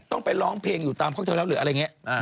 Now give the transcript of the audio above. ต้องไปร้องเพลงอยู่ตามข้างเธอแล้วหรืออะไรอย่างนี้